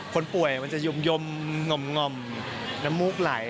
คนป่วยมันจะยมง่อมน้ำมูกไหล